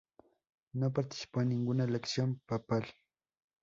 No participó en ninguna elección papal.